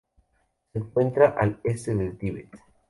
Se encuentra al este del Tíbet.